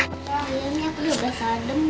rafa ini aku sudah basah adem